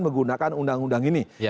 menggunakan undang undang ini